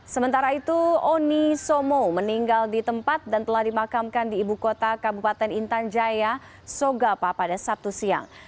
sementara itu oni somo meninggal di tempat dan telah dimakamkan di ibu kota kabupaten intan jaya sogapa pada sabtu siang